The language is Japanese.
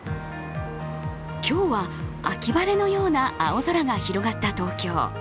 今日は秋晴れのような青空が広がった東京。